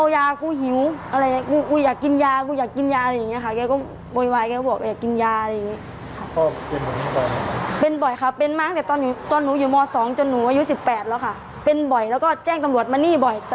อยู่สิบแปดแล้วค่ะเป็นบ่อยแล้วก็แจ้งตำรวจมาหนี้บ่อย